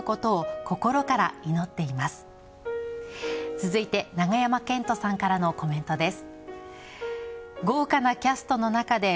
続いて永山絢斗さんからのコメントです。